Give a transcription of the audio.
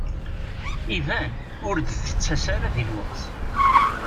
Iban ur d-tettas ara di lweqt.